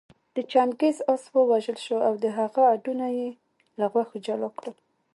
د چنګېز آس ووژل شو او د هغه هډونه يې له غوښو جلا کړل